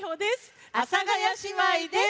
阿佐ヶ谷姉妹です。